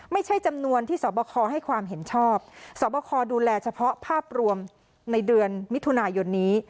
ไม่ใช่จำนวนที่สอบคอให้ความเห็นชอบสอบคอดูแลเฉพาะภาพรวมในเดือนมิถุนายนนี้